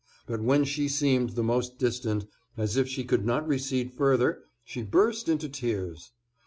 But when she seemed the most distant, as if she could not recede further, she burst into tears.